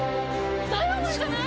ダイワマンじゃない？